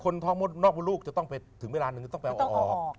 ท้องมดนอกมดลูกจะต้องไปถึงเวลานึงต้องไปเอาออก